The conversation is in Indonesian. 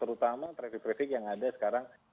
terutama traffic traffic yang ada sekarang